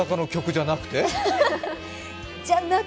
じゃなくて。